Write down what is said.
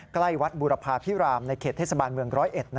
ใกล้วัดบุรพาพิรามในเขตเทศบาลเมือง๑๐๑